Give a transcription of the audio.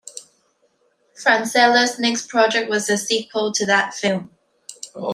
Francella's next project was a sequel to that film.